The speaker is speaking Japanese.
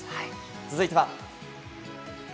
続いては。